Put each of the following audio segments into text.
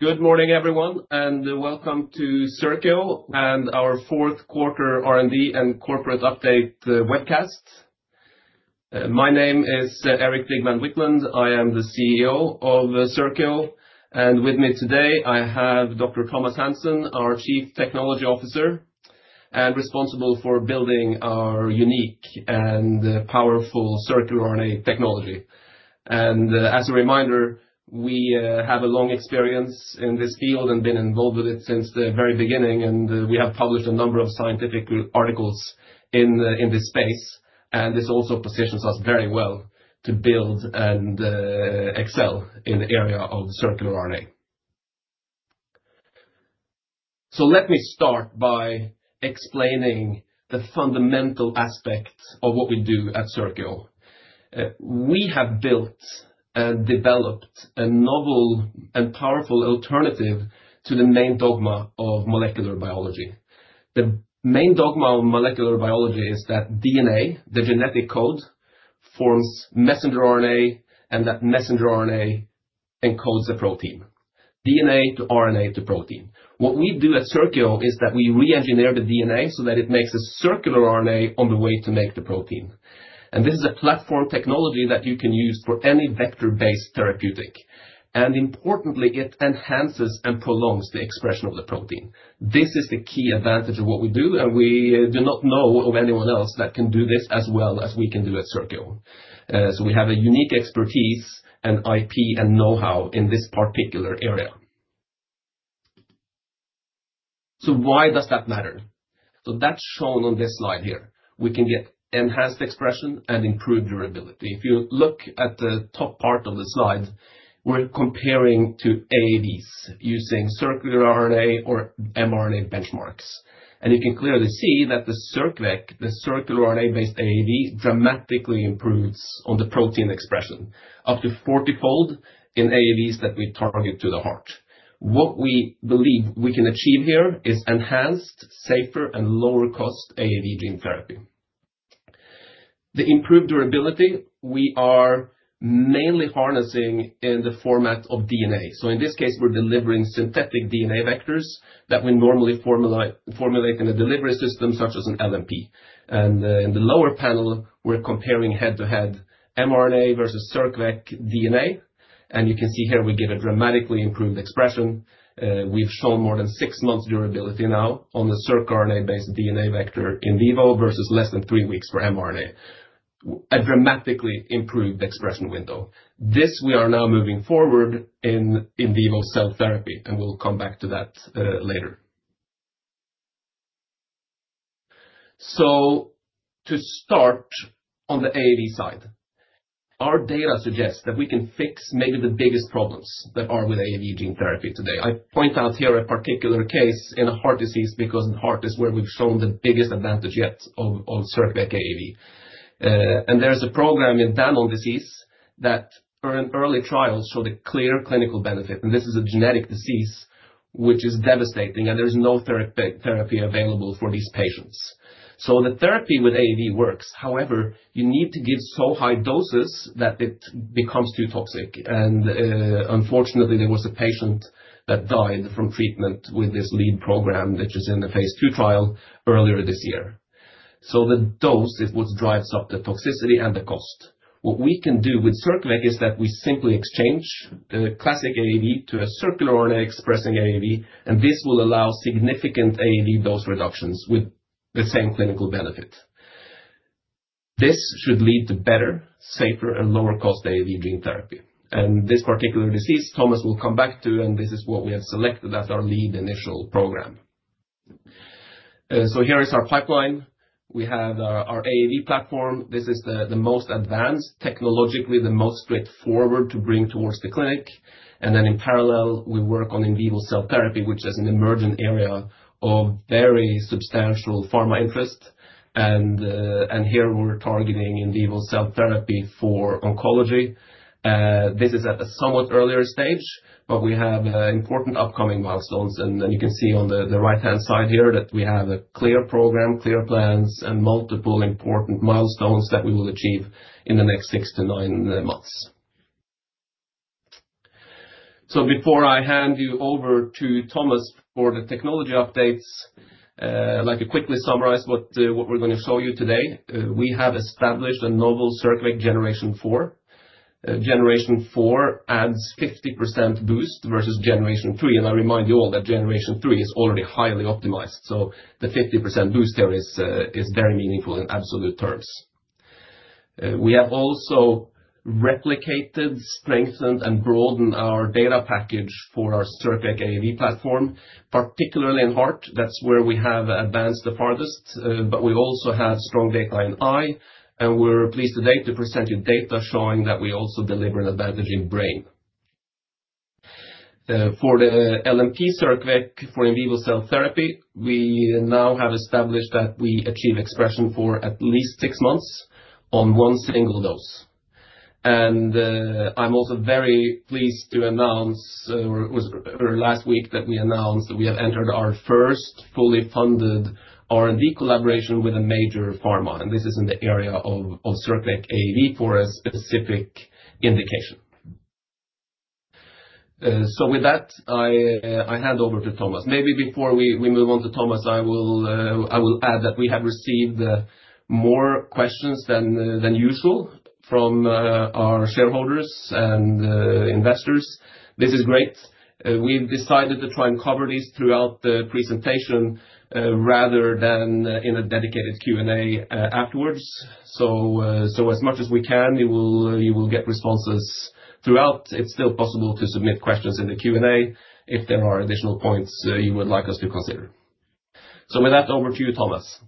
Good morning, everyone, and welcome to Circio and our fourth quarter R&D and corporate update webcast. My name is Erik Wiklund. I am the CEO of Circio, and with me today I have Dr. Thomas Hansen, our Chief Technology Officer and responsible for building our unique and powerful circRNA technology. As a reminder, we have a long experience in this field and been involved with it since the very beginning, and we have published a number of scientific articles in this space. This also positions us very well to build and excel in the area of circRNA. Let me start by explaining the fundamental aspect of what we do at Circio. We have built and developed a novel and powerful alternative to the main dogma of molecular biology. The main dogma of molecular biology is that DNA, the genetic code, forms messenger RNA, and that messenger RNA encodes a protein: DNA to RNA to protein. What we do at Circio is that we re-engineer the DNA so that it makes a circRNA on the way to make the protein. This is a platform technology that you can use for any vector-based therapeutic. Importantly, it enhances and prolongs the expression of the protein. This is the key advantage of what we do, and we do not know of anyone else that can do this as well as we can do at Circio. We have a unique expertise and IP and know-how in this particular area. Why does that matter? That is shown on this slide here. We can get enhanced expression and improved durability. If you look at the top part of the slide, we're comparing to AAVs using circRNA or mRNA benchmarks. You can clearly see that the circRNA-based AAV dramatically improves on the protein expression, up to 40-fold in AAVs that we target to the heart. What we believe we can achieve here is enhanced, safer, and lower-cost AAV gene therapy. The improved durability we are mainly harnessing in the format of DNA. In this case, we're delivering synthetic DNA vectors that we normally formulate in a delivery system such as an LNP. In the lower panel, we're comparing head-to-head mRNA versus circVec DNA. You can see here we get a dramatically improved expression. We've shown more than six months durability now on the circRNA-based DNA vector in vivo versus less than three weeks for mRNA, a dramatically improved expression window. We are now moving forward in in vivo cell therapy, and we'll come back to that later. To start on the AAV side, our data suggests that we can fix maybe the biggest problems that are with AAV gene therapy today. I point out here a particular case in a heart disease because the heart is where we've shown the biggest advantage yet of circular AAV. There is a program in Danon disease that early trials showed a clear clinical benefit. This is a genetic disease which is devastating, and there is no therapy available for these patients. The therapy with AAV works. However, you need to give so high doses that it becomes too toxic. Unfortunately, there was a patient that died from treatment with this lead program, which is in the phase two trial earlier this year. The dose is what drives up the toxicity and the cost. What we can do with circular is that we simply exchange the classic AAV to a circRNA-expressing AAV, and this will allow significant AAV dose reductions with the same clinical benefit. This should lead to better, safer, and lower-cost AAV gene therapy. This particular disease, Thomas will come back to, and this is what we have selected as our lead initial program. Here is our pipeline. We have our AAV platform. This is the most advanced, technologically the most straightforward to bring towards the clinic. In parallel, we work on in vivo cell therapy, which is an emergent area of very substantial pharma interest. Here we're targeting in vivo cell therapy for oncology. This is at a somewhat earlier stage, but we have important upcoming milestones. You can see on the right-hand side here that we have a clear program, clear plans, and multiple important milestones that we will achieve in the next six to nine months. Before I hand you over to Thomas for the technology updates, let me quickly summarize what we're going to show you today. We have established a novel circular generation four. Generation four adds a 50% boost versus generation three. I remind you all that generation three is already highly optimized. The 50% boost here is very meaningful in absolute terms. We have also replicated, strengthened, and broadened our data package for our circular AAV platform, particularly in heart. That is where we have advanced the farthest. We also have strong data in eye, and we're pleased today to present you data showing that we also deliver an advantage in brain. For the LAMP2B circular for in vivo cell therapy, we now have established that we achieve expression for at least six months on one single dose. I am also very pleased to announce last week that we announced that we have entered our first fully funded R&D collaboration with a major pharma. This is in the area of circular AAV for a specific indication. With that, I hand over to Thomas. Maybe before we move on to Thomas, I will add that we have received more questions than usual from our shareholders and investors. This is great. We have decided to try and cover these throughout the presentation rather than in a dedicated Q&A afterwards. As much as we can, you will get responses throughout. It is still possible to submit questions in the Q&A if there are additional points you would like us to consider. With that, over to you, Thomas.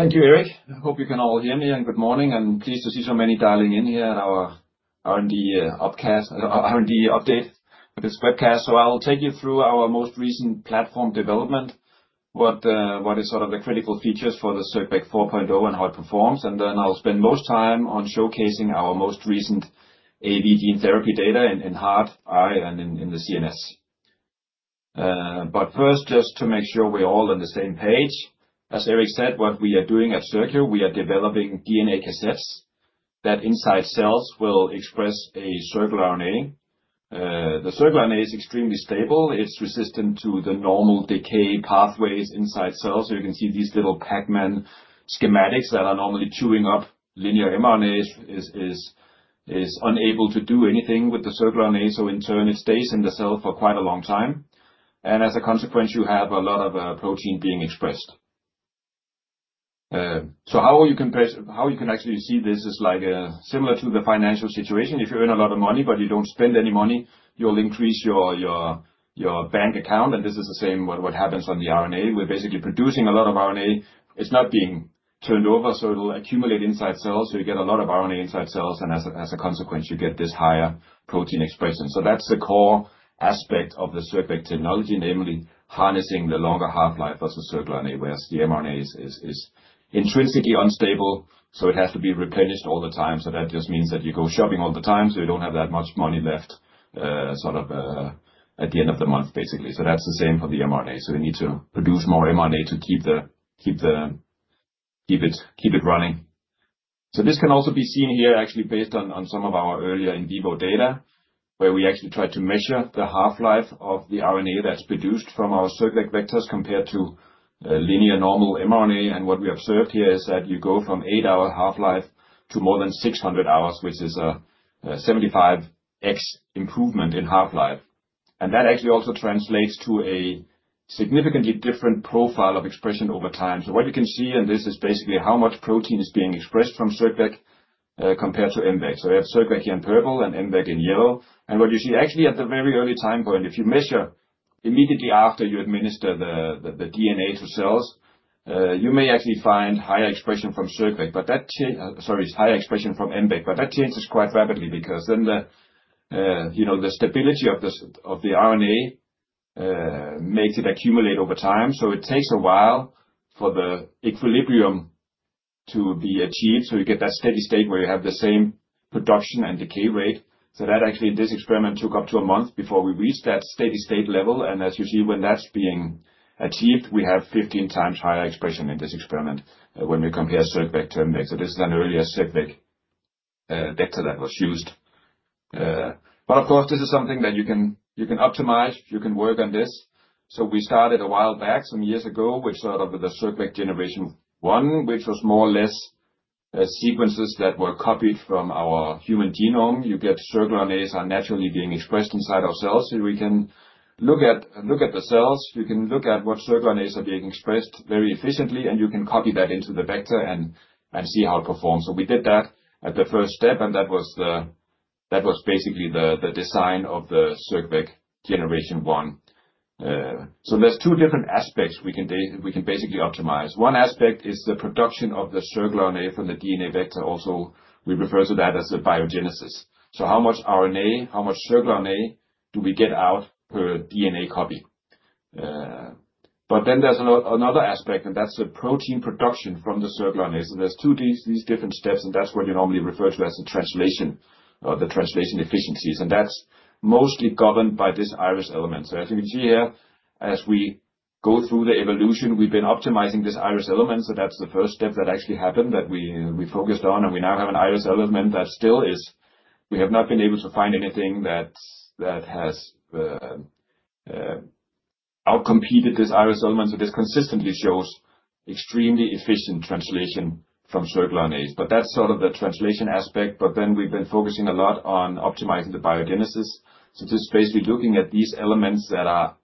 Thank you, Erik. I hope you can all hear me and good morning. I'm pleased to see so many dialing in here at our R&D update, this webcast. I'll take you through our most recent platform development, what is sort of the critical features for the circVec 4.0 and how it performs. I'll spend most time on showcasing our most recent AAV gene therapy data in heart, eye, and in the CNS. First, just to make sure we're all on the same page, as Erik said, what we are doing at Circio, we are developing DNA cassettes that inside cells will express a circRNA. The circRNA is extremely stable. It's resistant to the normal decay pathways inside cells. You can see these little Pac-Man schematics that are normally chewing up linear mRNAs is unable to do anything with the circRNA. In turn, it stays in the cell for quite a long time. As a consequence, you have a lot of protein being expressed. How you can actually see this is like similar to the financial situation. If you earn a lot of money, but you do not spend any money, you will increase your bank account. This is the same what happens on the RNA. We are basically producing a lot of RNA. It is not being turned over, so it will accumulate inside cells. You get a lot of RNA inside cells, and as a consequence, you get this higher protein expression. That is the core aspect of the circVec technology, namely harnessing the longer half-life of the circRNA, whereas the mRNA is intrinsically unstable. It has to be replenished all the time. That just means that you go shopping all the time, so you don't have that much money left sort of at the end of the month, basically. That's the same for the mRNA. You need to produce more mRNA to keep it running. This can also be seen here, actually, based on some of our earlier in vivo data, where we actually tried to measure the half-life of the RNA that's produced from our circVec vectors compared to linear normal mRNA. What we observed here is that you go from eight-hour half-life to more than 600 hours, which is a 75x improvement in half-life. That actually also translates to a significantly different profile of expression over time. What you can see in this is basically how much protein is being expressed from circVec compared to mVec. We have circVec here in purple and mVec in yellow. What you see actually at the very early time point, if you measure immediately after you administer the DNA to cells, you may actually find higher expression from mVec, but that changes quite rapidly because then the stability of the RNA makes it accumulate over time. It takes a while for the equilibrium to be achieved. You get that steady state where you have the same production and decay rate. This experiment took up to a month before we reached that steady state level. As you see, when that's being achieved, we have 15 times higher expression in this experiment when we compare circVec to mVec. This is an earlier circVec vector that was used. Of course, this is something that you can optimize. You can work on this. We started a while back, some years ago, which started with the circVec generation one, which was more or less sequences that were copied from our human genome. You get circRNAs are naturally being expressed inside our cells. You can look at the cells. You can look at what circRNAs are being expressed very efficiently, and you can copy that into the vector and see how it performs. We did that at the first step, and that was basically the design of the circVec generation one. There are two different aspects we can basically optimize. One aspect is the production of the circRNA from the DNA vector. Also, we refer to that as the biogenesis. How much RNA, how much circRNA do we get out per DNA copy? There is another aspect, and that is the protein production from the circRNA. There are two of these different steps, and that is what you normally refer to as the translation or the translation efficiencies. That is mostly governed by this IRES element. As you can see here, as we go through the evolution, we have been optimizing this IRES element. That is the first step that actually happened that we focused on. We now have an IRES element that still is, we have not been able to find anything that has outcompeted this IRES element. This consistently shows extremely efficient translation from circRNAs. That is the translation aspect. We have been focusing a lot on optimizing the biogenesis. This is basically looking at these elements that are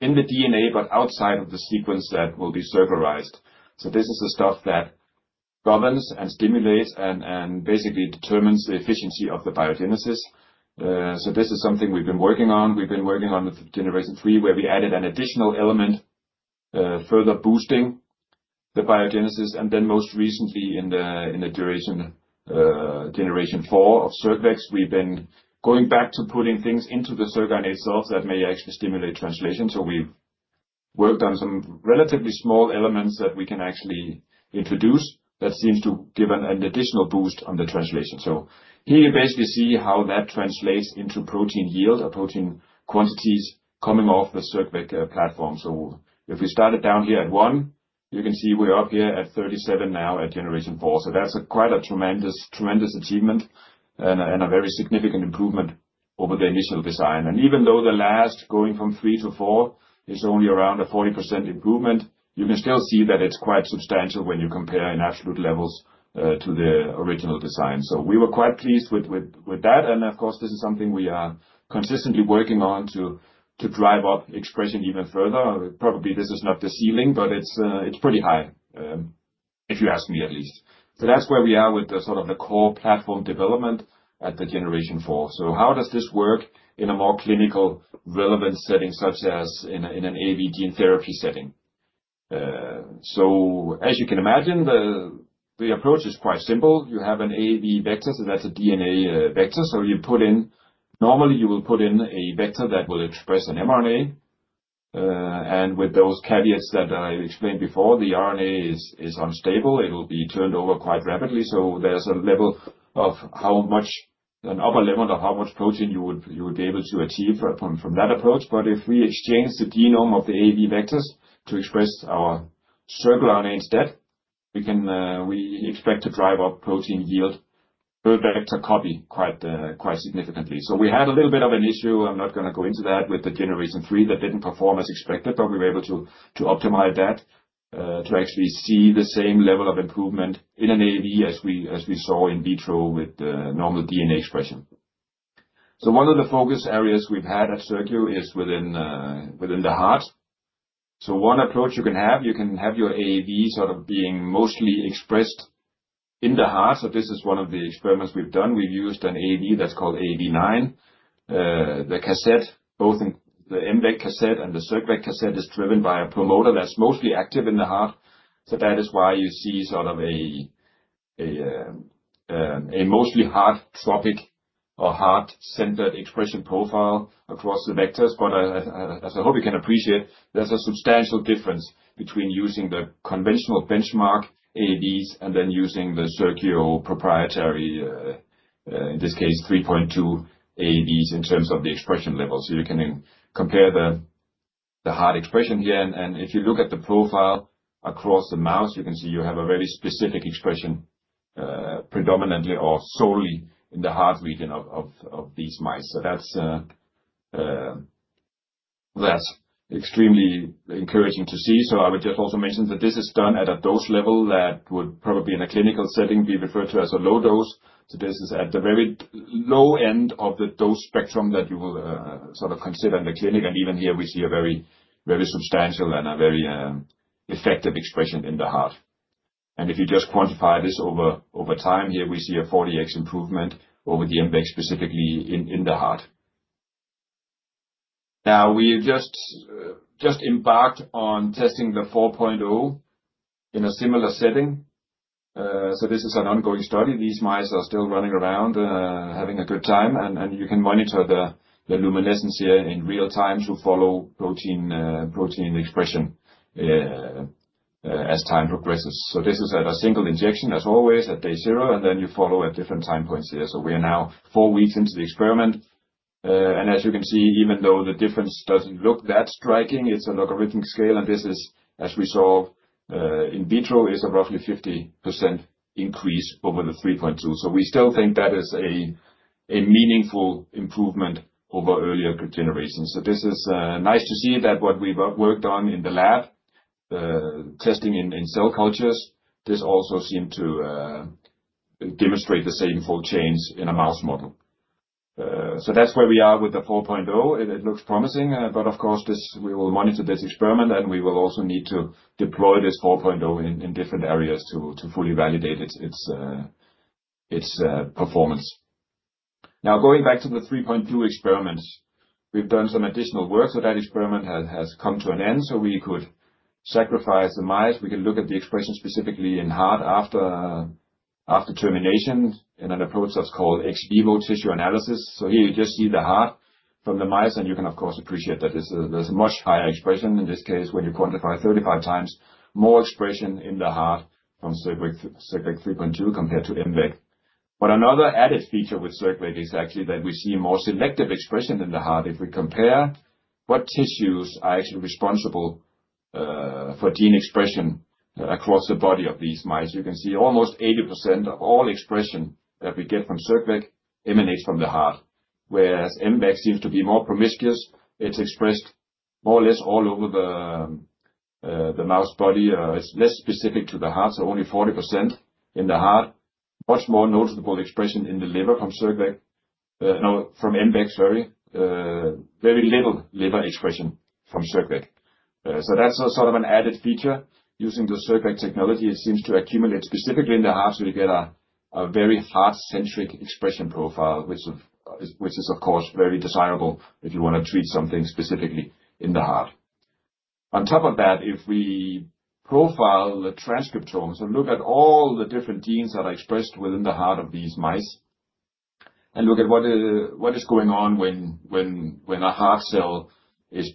in the DNA but outside of the sequence that will be circularized. This is the stuff that governs and stimulates and basically determines the efficiency of the biogenesis. This is something we've been working on. We've been working on generation three, where we added an additional element, further boosting the biogenesis. Most recently, in the generation four of circVecs, we've been going back to putting things into the circRNA cells that may actually stimulate translation. We worked on some relatively small elements that we can actually introduce that seems to give an additional boost on the translation. Here you basically see how that translates into protein yield or protein quantities coming off the circVec platform. If we started down here at one, you can see we're up here at 37 now at generation four. That's quite a tremendous achievement and a very significant improvement over the initial design. Even though the last going from three to four is only around a 40% improvement, you can still see that it's quite substantial when you compare in absolute levels to the original design. We were quite pleased with that. Of course, this is something we are consistently working on to drive up expression even further. Probably this is not the ceiling, but it's pretty high, if you ask me at least. That's where we are with the sort of the core platform development at the generation four. How does this work in a more clinically relevant setting, such as in an AAV gene therapy setting? As you can imagine, the approach is quite simple. You have an AAV vector, so that's a DNA vector. You put in, normally you will put in a vector that will express an mRNA. With those caveats that I explained before, the RNA is unstable. It will be turned over quite rapidly. There is a level of how much, an upper limit of how much protein you would be able to achieve from that approach. If we exchange the genome of the AAV vectors to express our circRNA instead, we expect to drive up protein yield per vector copy quite significantly. We had a little bit of an issue. I'm not going to go into that with the generation three that didn't perform as expected, but we were able to optimize that to actually see the same level of improvement in an AAV as we saw in vitro with normal DNA expression. One of the focus areas we've had at Circio is within the heart. One approach you can have, you can have your AAV sort of being mostly expressed in the heart. This is one of the experiments we've done. We've used an AAV that's called AAV9. The cassette, both the mVec cassette and the circVec cassette, is driven by a promoter that's mostly active in the heart. That is why you see sort of a mostly heart tropic or heart-centered expression profile across the vectors. As I hope you can appreciate, there's a substantial difference between using the conventional benchmark AAVs and then using the Circio proprietary, in this case, 3.2 AAVs in terms of the expression level. You can compare the heart expression here. If you look at the profile across the mouse, you can see you have a very specific expression predominantly or solely in the heart region of these mice. That's extremely encouraging to see. I would just also mention that this is done at a dose level that would probably in a clinical setting be referred to as a low dose. This is at the very low end of the dose spectrum that you will sort of consider in the clinic. Even here, we see a very substantial and a very effective expression in the heart. If you just quantify this over time, here we see a 40x improvement over the mVec specifically in the heart. We just embarked on testing the 4.0 in a similar setting. This is an ongoing study. These mice are still running around, having a good time. You can monitor the luminescence here in real time to follow protein expression as time progresses. This is at a single injection, as always, at day zero, and then you follow at different time points here. We are now four weeks into the experiment. As you can see, even though the difference does not look that striking, it is a logarithmic scale. This is, as we saw in vitro, a roughly 50% increase over the 3.2. We still think that is a meaningful improvement over earlier generations. It is nice to see that what we've worked on in the lab, testing in cell cultures, also seemed to demonstrate the same full change in a mouse model. That is where we are with the 4.0. It looks promising. Of course, we will monitor this experiment, and we will also need to deploy this 4.0 in different areas to fully validate its performance. Now, going back to the 3.2 experiments, we've done some additional work. That experiment has come to an end. We could sacrifice the mice. We can look at the expression specifically in heart after termination in an approach that is called ex vivo tissue analysis. Here you just see the heart from the mice, and you can, of course, appreciate that there is a much higher expression in this case when you quantify 35 times more expression in the heart from circVec 3.2 compared to mVec. Another added feature with circVec is actually that we see more selective expression in the heart. If we compare what tissues are actually responsible for gene expression across the body of these mice, you can see almost 80% of all expression that we get from circVec emanates from the heart, whereas mVec seems to be more promiscuous. It is expressed more or less all over the mouse body. It is less specific to the heart, so only 40% in the heart. Much more noticeable expression in the liver from mVec. Very little liver expression from circVec. That is sort of an added feature. Using the circVec technology, it seems to accumulate specifically in the heart. You get a very heart-centric expression profile, which is, of course, very desirable if you want to treat something specifically in the heart. On top of that, if we profile the transcriptome, so look at all the different genes that are expressed within the heart of these mice and look at what is going on when a heart cell is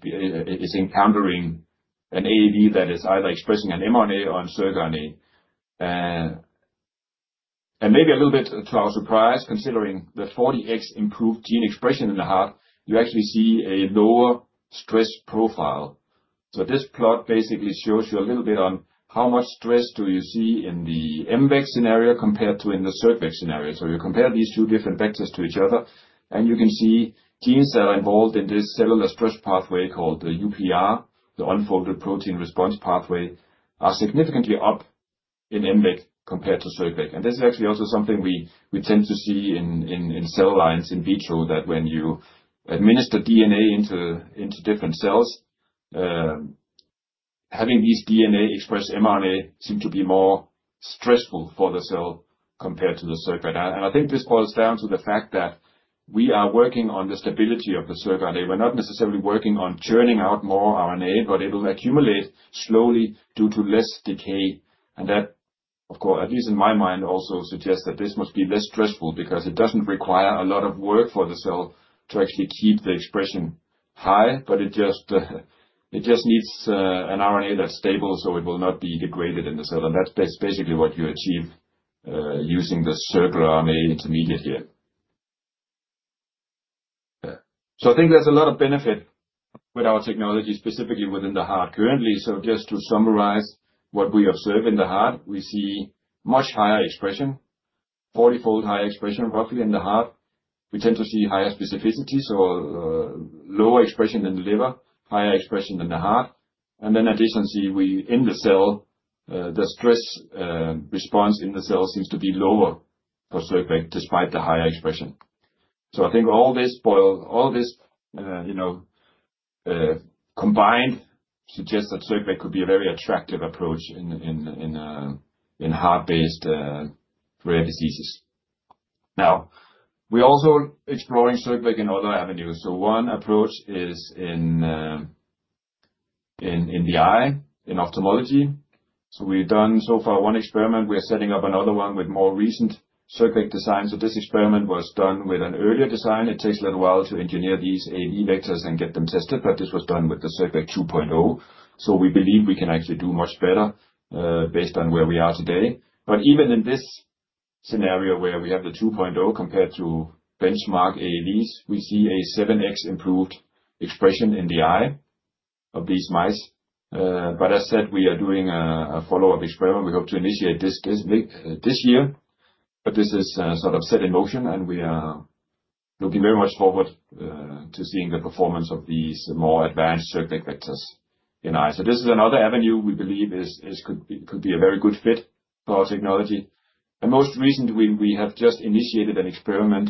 encountering an AAV that is either expressing an mRNA or a circRNA. Maybe a little bit to our surprise, considering the 40x improved gene expression in the heart, you actually see a lower stress profile. This plot basically shows you a little bit on how much stress you see in the mVec scenario compared to in the circVec scenario. You compare these two different vectors to each other, and you can see genes that are involved in this cellular stress pathway called the UPR, the unfolded protein response pathway, are significantly up in mVec compared to circVec. This is actually also something we tend to see in cell lines in vitro that when you administer DNA into different cells, having these DNA express mRNA seems to be more stressful for the cell compared to the circVec. I think this boils down to the fact that we are working on the stability of the circRNA. We're not necessarily working on churning out more RNA, but it will accumulate slowly due to less decay. That, of course, at least in my mind, also suggests that this must be less stressful because it does not require a lot of work for the cell to actually keep the expression high, but it just needs an RNA that is stable so it will not be degraded in the cell. That is basically what you achieve using the circRNA intermediate here. I think there is a lot of benefit with our technology, specifically within the heart currently. Just to summarize what we observe in the heart, we see much higher expression, 40-fold higher expression roughly in the heart. We tend to see higher specificity, so lower expression in the liver, higher expression in the heart. Additionally, in the cell, the stress response in the cell seems to be lower for circVec despite the higher expression. I think all this combined suggests that circVec could be a very attractive approach in heart-based rare diseases. Now, we're also exploring circVec in other avenues. One approach is in the eye, in ophthalmology. We've done so far one experiment. We are setting up another one with more recent circVec design. This experiment was done with an earlier design. It takes a little while to engineer these AAV vectors and get them tested, but this was done with the circVec 2.0. We believe we can actually do much better based on where we are today. Even in this scenario where we have the 2.0 compared to benchmark AAVs, we see a 7x improved expression in the eye of these mice. As said, we are doing a follow-up experiment. We hope to initiate this year, but this is sort of set in motion, and we are looking very much forward to seeing the performance of these more advanced circVec vectors in eyes. This is another avenue we believe could be a very good fit for our technology. Most recently, we have just initiated an experiment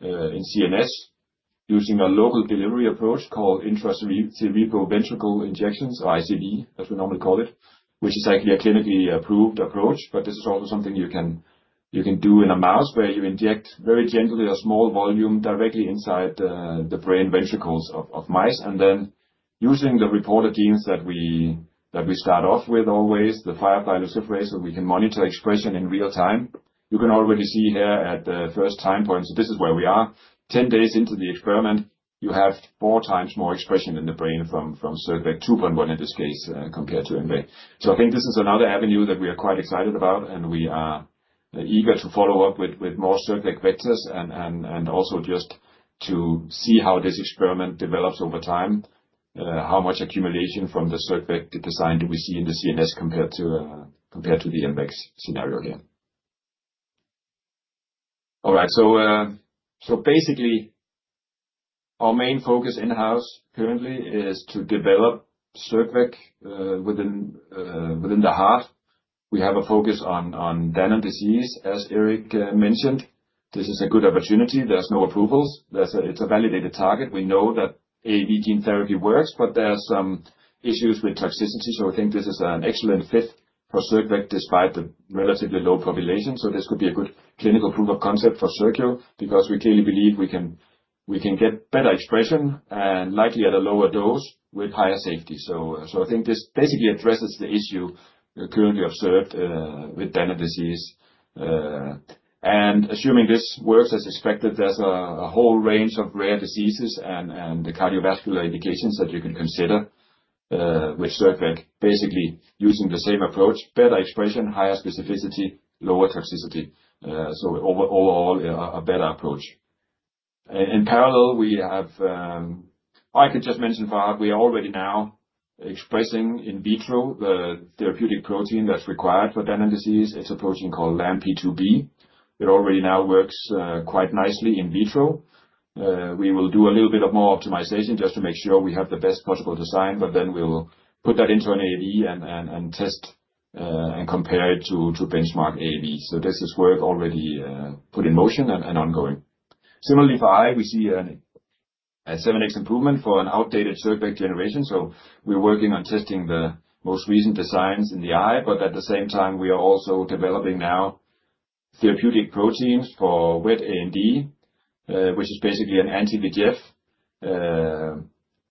in CNS using a local delivery approach called intracerebral ventricle injections, or ICV, as we normally call it, which is actually a clinically approved approach. This is also something you can do in a mouse where you inject very gently a small volume directly inside the brain ventricles of mice. Using the reporter genes that we start off with always, the firefly luciferase, we can monitor expression in real time. You can already see here at the first time point, this is where we are, 10 days into the experiment, you have four times more expression in the brain from circVec 2.1 in this case compared to mVec. I think this is another avenue that we are quite excited about, and we are eager to follow up with more circVec vectors and also just to see how this experiment develops over time, how much accumulation from the circVec design do we see in the CNS compared to the mVec scenario here. All right. Basically, our main focus in-house currently is to develop circVec within the heart. We have a focus on Danon disease, as Erik mentioned. This is a good opportunity. There are no approvals. It is a validated target. We know that AAV gene therapy works, but there are some issues with toxicity. I think this is an excellent fit for circVec despite the relatively low population. This could be a good clinical proof of concept for Circio because we clearly believe we can get better expression and likely at a lower dose with higher safety. I think this basically addresses the issue currently observed with Danon disease. Assuming this works as expected, there is a whole range of rare diseases and cardiovascular indications that you can consider with circVec, basically using the same approach, better expression, higher specificity, lower toxicity. Overall, a better approach. In parallel, I could just mention for heart, we are already now expressing in vitro the therapeutic protein that's required for Danon disease. It's a protein called LAMP2B. It already now works quite nicely in vitro. We will do a little bit of more optimization just to make sure we have the best possible design, but then we'll put that into an AAV and test and compare it to benchmark AAV. This is work already put in motion and ongoing. Similarly, for eye, we see a 7x improvement for an outdated circVec generation. We are working on testing the most recent designs in the eye, but at the same time, we are also developing now therapeutic proteins for wet AMD, which is basically an anti-VEGF,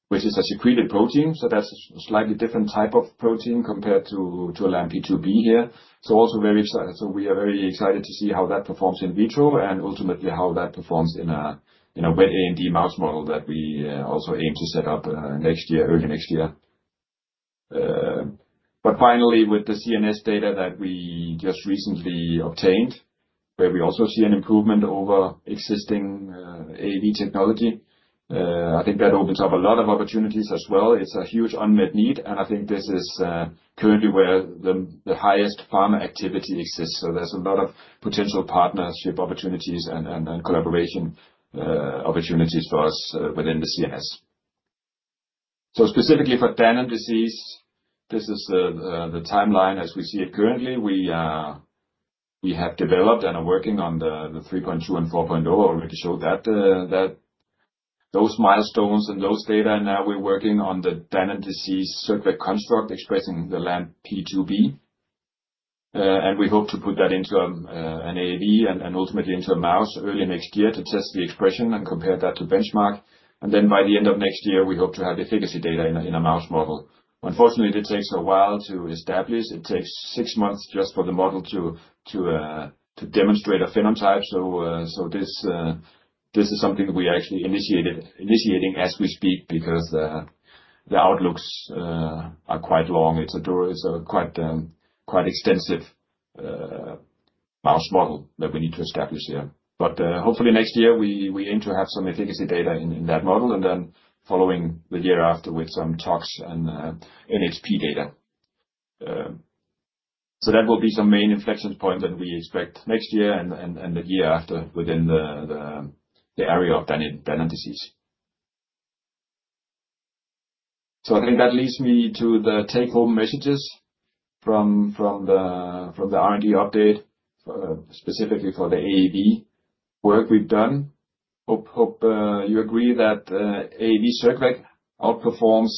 which is a secreted protein. That is a slightly different type of protein compared to LAMP2B here. We are very excited to see how that performs in vitro and ultimately how that performs in a wet AMD mouse model that we also aim to set up early next year. Finally, with the CNS data that we just recently obtained, where we also see an improvement over existing AAV technology, I think that opens up a lot of opportunities as well. It's a huge unmet need, and I think this is currently where the highest pharma activity exists. There is a lot of potential partnership opportunities and collaboration opportunities for us within the CNS. Specifically for Danon disease, this is the timeline as we see it currently. We have developed and are working on the 3.2 and 4.0. I already showed that those milestones and those data. Now we're working on the Danon disease circVec construct expressing the LAMP2B. We hope to put that into an AAV and ultimately into a mouse early next year to test the expression and compare that to benchmark. By the end of next year, we hope to have efficacy data in a mouse model. Unfortunately, it takes a while to establish. It takes six months just for the model to demonstrate a phenotype. This is something we are actually initiating as we speak because the outlooks are quite long. It is a quite extensive mouse model that we need to establish here. Hopefully next year, we aim to have some efficacy data in that model and then following the year after with some tox and NHP data. That will be some main inflection points that we expect next year and the year after within the area of Danon disease. I think that leads me to the take-home messages from the R&D update, specifically for the AAV work we have done. Hope you agree that AAV circVec outperforms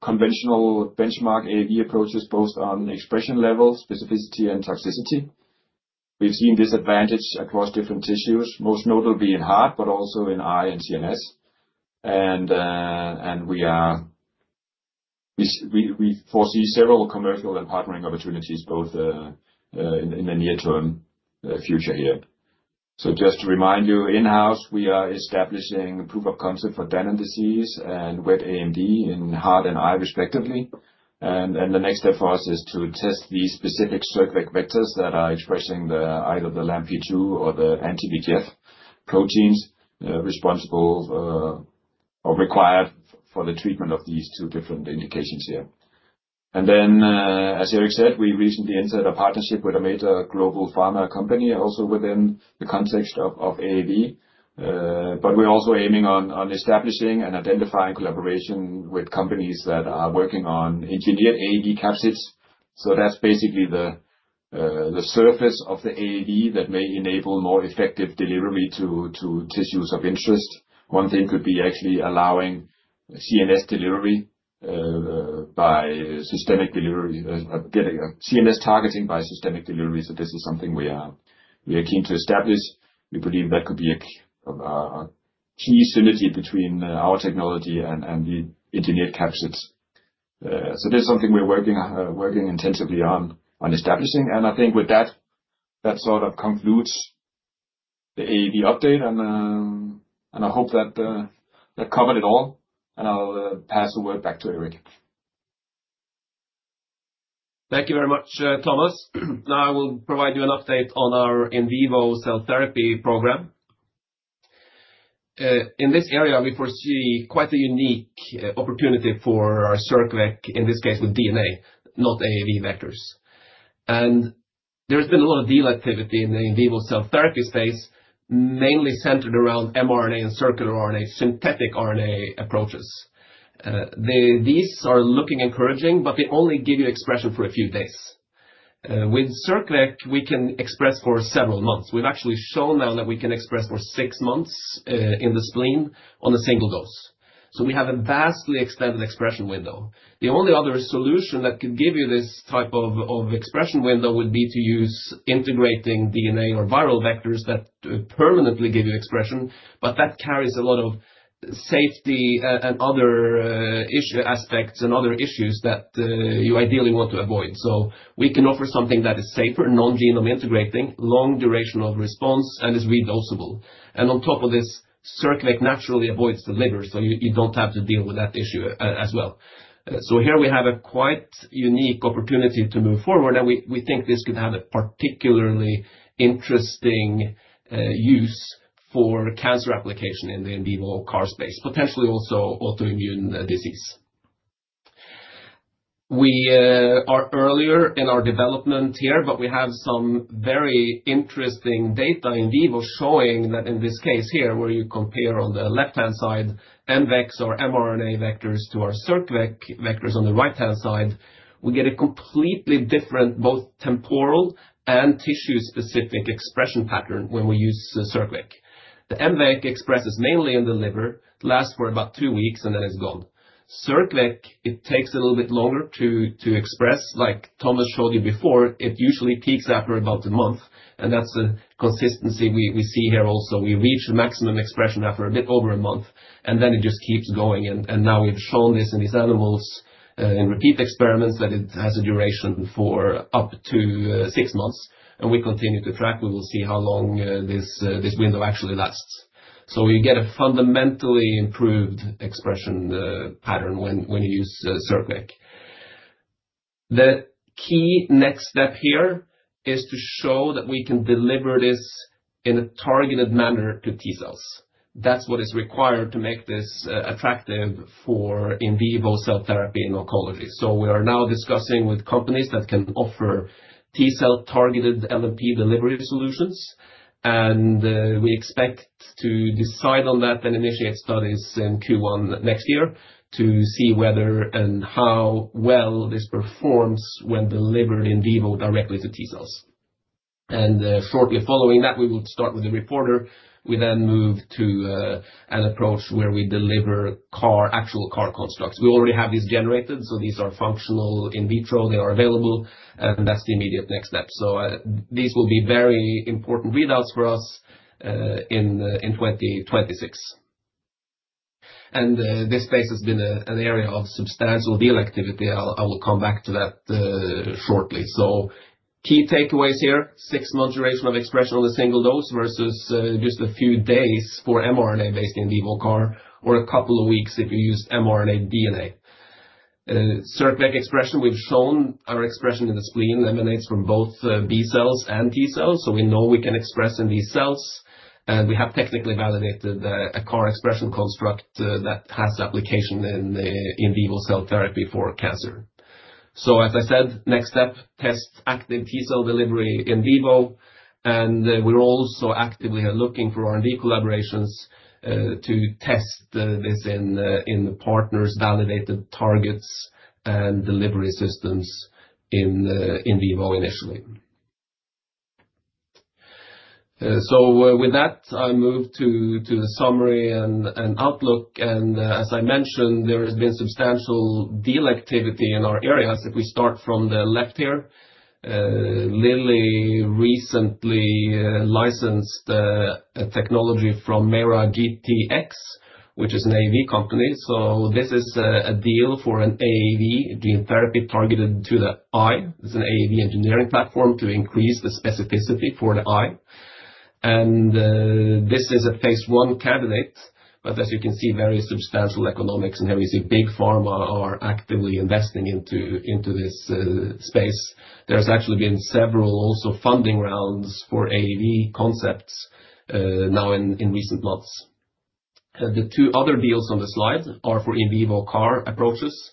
conventional benchmark AAV approaches both on expression level, specificity, and toxicity. We've seen this advantage across different tissues, most notably in heart, but also in eye and CNS. We foresee several commercial and partnering opportunities both in the near-term future here. Just to remind you, in-house, we are establishing proof of concept for Danon disease and wet AMD in heart and eye respectively. The next step for us is to test these specific circVec vectors that are expressing either the LAMP2B or the anti-VEGF proteins responsible or required for the treatment of these two different indications here. As Erik said, we recently entered a partnership with a major global pharma company also within the context of AAV. We are also aiming on establishing and identifying collaboration with companies that are working on engineered AAV capsids. That's basically the surface of the AAV that may enable more effective delivery to tissues of interest. One thing could be actually allowing CNS delivery by systemic delivery, getting CNS targeting by systemic delivery. This is something we are keen to establish. We believe that could be a key synergy between our technology and the engineered capsids. This is something we're working intensively on establishing. I think with that, that sort of concludes the AAV update. I hope that covered it all. I'll pass the word back to Erik. Thank you very much, Thomas. Now I will provide you an update on our in vivo cell therapy program. In this area, we foresee quite a unique opportunity for our circVec, in this case with DNA, not AAV vectors. There has been a lot of deal activity in the in vivo cell therapy space, mainly centered around mRNA and circRNA, synthetic RNA approaches. These are looking encouraging, but they only give you expression for a few days. With circVec, we can express for several months. We've actually shown now that we can express for six months in the spleen on a single dose. We have a vastly extended expression window. The only other solution that could give you this type of expression window would be to use integrating DNA or viral vectors that permanently give you expression, but that carries a lot of safety and other aspects and other issues that you ideally want to avoid. We can offer something that is safer, non-genome integrating, long duration of response, and is re-dosable. On top of this, circVec naturally avoids the liver, so you do not have to deal with that issue as well. Here we have a quite unique opportunity to move forward, and we think this could have a particularly interesting use for cancer application in the in vivo CAR space, potentially also autoimmune disease. We are earlier in our development here, but we have some very interesting data in vivo showing that in this case here, where you compare on the left-hand side mVecs or mRNA vectors to our circVec vectors on the right-hand side, we get a completely different both temporal and tissue-specific expression pattern when we use circVec. The mVec expresses mainly in the liver, lasts for about two weeks, and then it is gone. circVec, it takes a little bit longer to express. Like Thomas showed you before, it usually peaks after about a month, and that's a consistency we see here also. We reach maximum expression after a bit over a month, and then it just keeps going. Now we've shown this in these animals in repeat experiments that it has a duration for up to six months. We continue to track. We will see how long this window actually lasts. You get a fundamentally improved expression pattern when you use circVec. The key next step here is to show that we can deliver this in a targeted manner to T-cells. That is what is required to make this attractive for in vivo cell therapy in oncology. We are now discussing with companies that can offer T-cell targeted LNP delivery solutions. We expect to decide on that and initiate studies in Q1 next year to see whether and how well this performs when delivered in vivo directly to T-cells. Shortly following that, we will start with the reporter. We then move to an approach where we deliver actual CAR constructs. We already have these generated, so these are functional in vitro. They are available, and that's the immediate next step. These will be very important readouts for us in 2026. This space has been an area of substantial deal activity. I will come back to that shortly. Key takeaways here: six-month duration of expression on a single dose versus just a few days for mRNA-based in vivo CAR or a couple of weeks if you used mRNA DNA. circVec expression, we've shown our expression in the spleen laminates from both B-cells and T-cells, so we know we can express in these cells. We have technically validated a CAR expression construct that has application in in vivo cell therapy for cancer. As I said, next step, test active T-cell delivery in vivo. We're also actively looking for R&D collaborations to test this in partners' validated targets and delivery systems in vivo initially. With that, I move to the summary and outlook. As I mentioned, there has been substantial deal activity in our areas. If we start from the left here, Lilly recently licensed technology from MeiraGTx, which is an AAV company. This is a deal for an AAV gene therapy targeted to the eye. It's an AAV engineering platform to increase the specificity for the eye. This is a phase one candidate, but as you can see, very substantial economics. Here we see big pharma are actively investing into this space. There have actually been several also funding rounds for AAV concepts now in recent months. The two other deals on the slide are for in vivo CAR approaches.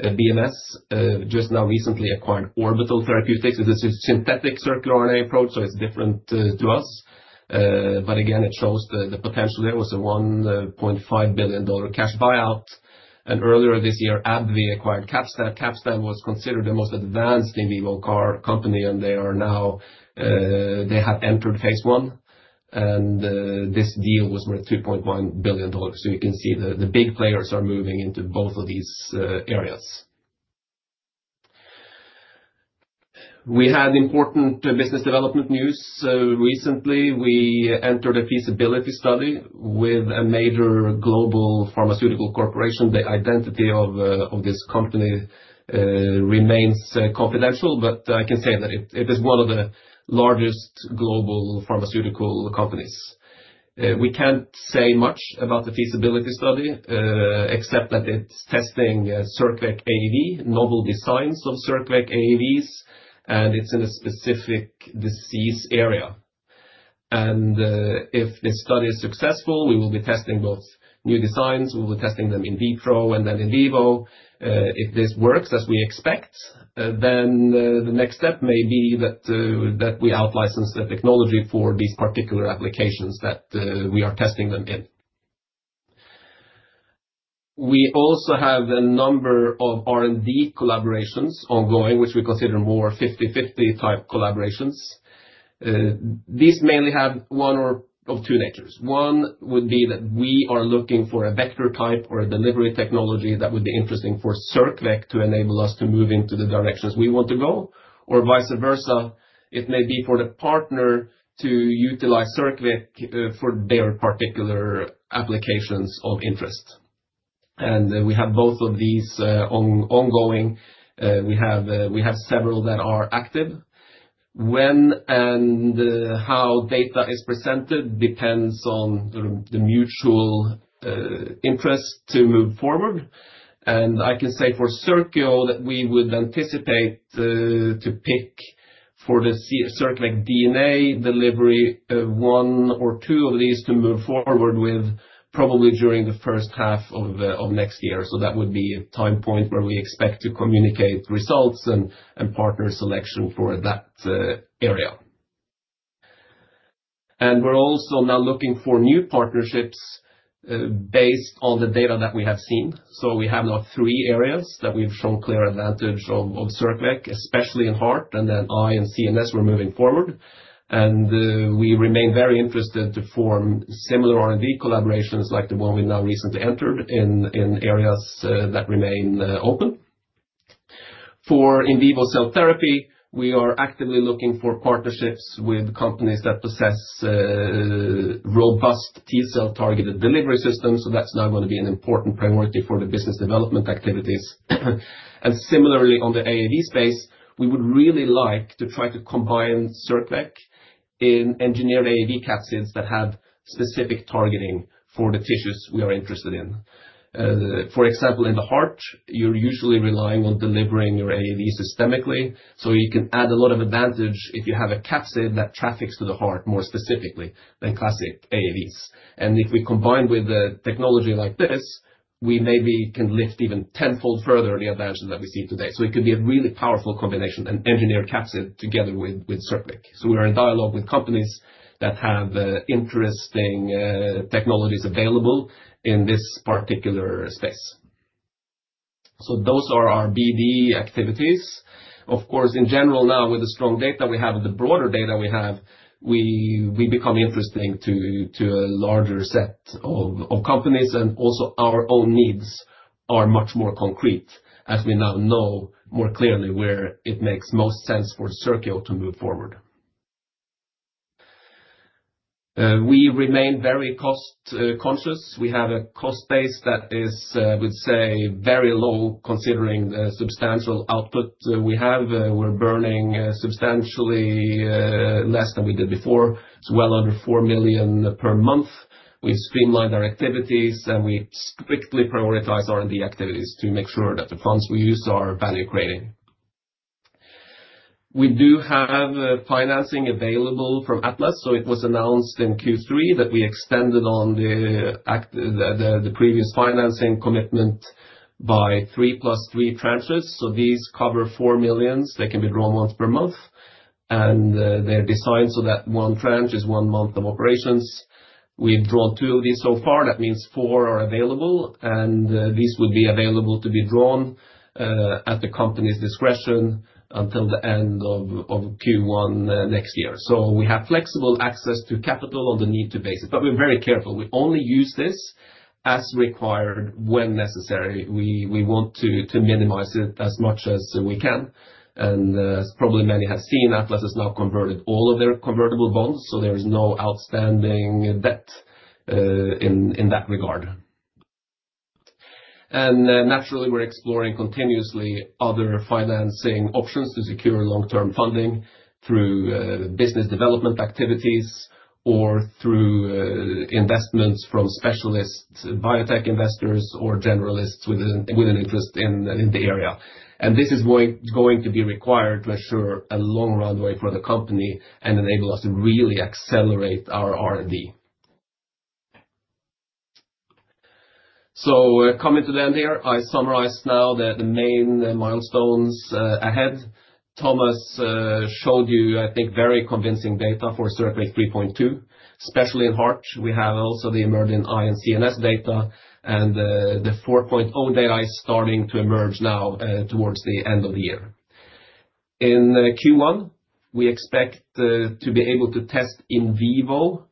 BMS just now recently acquired Orbital Therapeutics. It is a synthetic circRNA approach, so it is different to us. Again, it shows the potential. There was a $1.5 billion cash buyout. Earlier this year, AbbVie acquired Capstan. Capstan was considered the most advanced in vivo CAR company, and they are now in phase one. This deal was worth $2.1 billion. You can see the big players are moving into both of these areas. We had important business development news. Recently, we entered a feasibility study with a major global pharmaceutical corporation. The identity of this company remains confidential, but I can say that it is one of the largest global pharmaceutical companies. We can't say much about the feasibility study except that it's testing circVec AAV, novel designs of circVec AAVs, and it's in a specific disease area. If this study is successful, we will be testing both new designs. We will be testing them in vitro and then in vivo. If this works as we expect, the next step may be that we out-license the technology for these particular applications that we are testing them in. We also have a number of R&D collaborations ongoing, which we consider more 50-50 type collaborations. These mainly have one or two natures. One would be that we are looking for a vector type or a delivery technology that would be interesting for circVec to enable us to move into the directions we want to go, or vice versa. It may be for the partner to utilize circVec for their particular applications of interest. We have both of these ongoing. We have several that are active. When and how data is presented depends on the mutual interest to move forward. I can say for Circio that we would anticipate to pick for the circVec DNA delivery one or two of these to move forward with probably during the first half of next year. That would be a time point where we expect to communicate results and partner selection for that area. We are also now looking for new partnerships based on the data that we have seen. We have now three areas that we've shown clear advantage of circVec, especially in heart and then eye and CNS we're moving forward. We remain very interested to form similar R&D collaborations like the one we now recently entered in areas that remain open. For in vivo cell therapy, we are actively looking for partnerships with companies that possess robust T-cell targeted delivery systems. That's now going to be an important priority for the business development activities. Similarly, on the AAV space, we would really like to try to combine circVec in engineered AAV capsids that have specific targeting for the tissues we are interested in. For example, in the heart, you're usually relying on delivering your AAV systemically. You can add a lot of advantage if you have a capsid that traffics to the heart more specifically than classic AAVs. If we combine with technology like this, we maybe can lift even tenfold further the advantages that we see today. It could be a really powerful combination, an engineered capsid together with circVec. We are in dialogue with companies that have interesting technologies available in this particular space. Those are our BD activities. Of course, in general, now with the strong data we have, the broader data we have, we become interesting to a larger set of companies. Also, our own needs are much more concrete as we now know more clearly where it makes most sense for Circio to move forward. We remain very cost-conscious. We have a cost base that is, I would say, very low considering the substantial output we have. We are burning substantially less than we did before. It is well under $4 million per month. We streamline our activities, and we strictly prioritize R&D activities to make sure that the funds we use are value-creating. We do have financing available from Atlas. It was announced in Q3 that we extended on the previous financing commitment by three plus three tranches. These cover $4 million. They can be drawn once per month. They are designed so that one tranche is one month of operations. We've drawn two of these so far. That means four are available. These would be available to be drawn at the company's discretion until the end of Q1 next year. We have flexible access to capital on a need-to basis. We're very careful. We only use this as required when necessary. We want to minimize it as much as we can. As probably many have seen, Atlas has now converted all of their convertible bonds. There is no outstanding debt in that regard. Naturally, we're exploring continuously other financing options to secure long-term funding through business development activities or through investments from specialist biotech investors or generalists with an interest in the area. This is going to be required to ensure a long runway for the company and enable us to really accelerate our R&D. Coming to the end here, I summarize now the main milestones ahead. Thomas showed you, I think, very convincing data for circVec 3.2, especially in heart. We have also the emerging eye and CNS data, and the 4.0 data is starting to emerge now towards the end of the year. In Q1, we expect to be able to test in vivo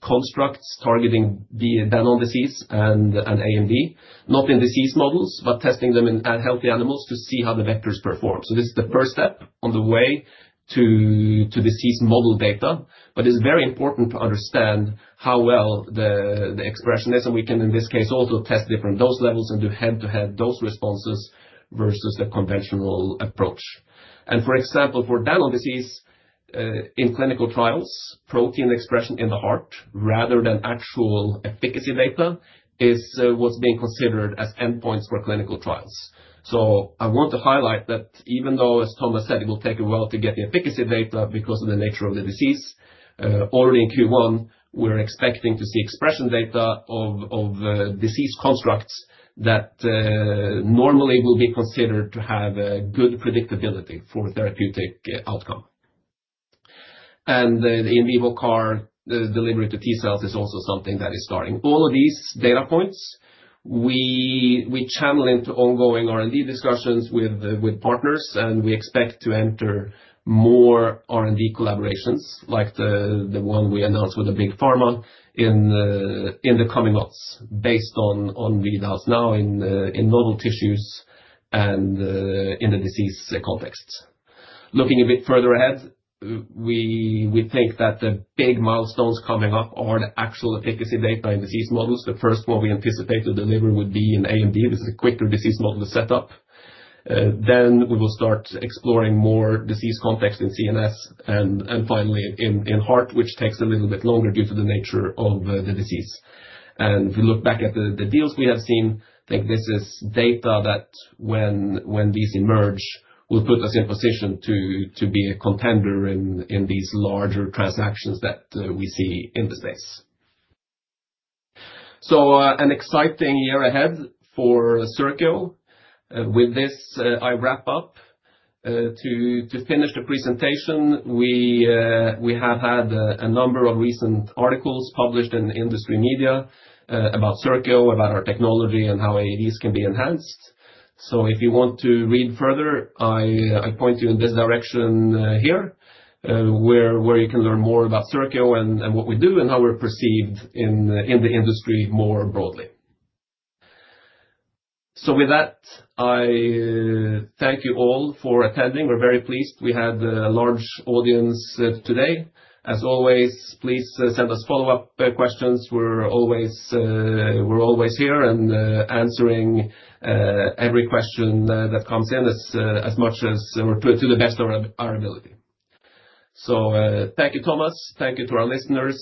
constructs targeting benign disease and AMD, not in disease models, but testing them in healthy animals to see how the vectors perform. This is the first step on the way to disease model data. It is very important to understand how well the expression is. We can, in this case, also test different dose levels and do head-to-head dose responses versus the conventional approach. For example, for Danon disease in clinical trials, protein expression in the heart rather than actual efficacy data is what's being considered as endpoints for clinical trials. I want to highlight that even though, as Thomas said, it will take a while to get the efficacy data because of the nature of the disease, already in Q1, we're expecting to see expression data of disease constructs that normally will be considered to have good predictability for therapeutic outcome. The in vivo CAR delivery to T-cells is also something that is starting. All of these data points, we channel into ongoing R&D discussions with partners, and we expect to enter more R&D collaborations like the one we announced with the big pharma in the coming months based on readouts now in novel tissues and in the disease context. Looking a bit further ahead, we think that the big milestones coming up are the actual efficacy data in disease models. The first one we anticipate to deliver would be in AMD. This is a quicker disease model to set up. We will start exploring more disease context in CNS and finally in heart, which takes a little bit longer due to the nature of the disease. If we look back at the deals we have seen, I think this is data that when these emerge, will put us in position to be a contender in these larger transactions that we see in the space. An exciting year ahead for Circio. With this, I wrap up. To finish the presentation, we have had a number of recent articles published in industry media about Circio, about our technology, and how AAVs can be enhanced. If you want to read further, I point you in this direction here where you can learn more about Circio and what we do and how we're perceived in the industry more broadly. With that, I thank you all for attending. We're very pleased. We had a large audience today. As always, please send us follow-up questions. We're always here and answering every question that comes in as much as or to the best of our ability. Thank you, Thomas. Thank you to our listeners.